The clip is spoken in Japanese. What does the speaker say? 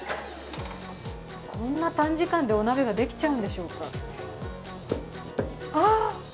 こんな短時間でお鍋ができちゃうんでしょうか。